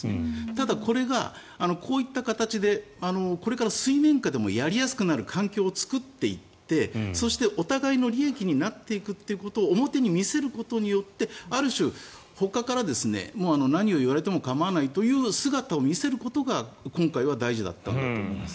ただこれがこういった形でこれから水面下でもやりやすくなる環境を作っていってそして、お互いの利益になっていくということを表に見せることによってある種、ほかから何を言われても構わないという姿を見せることが今回は大事だったと思います。